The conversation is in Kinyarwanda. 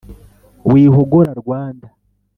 wihogora rwanda